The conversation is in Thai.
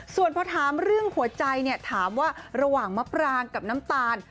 ส่วนพอถามเรื่องหัวใจเนี่ยถามว่าระหว่างมะปรางกับน้ำตาล